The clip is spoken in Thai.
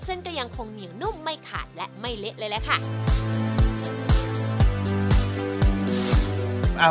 ซึ่งก็ยังคงเหนียวนุ่มไม่ขาดและไม่เละเลยล่ะค่ะ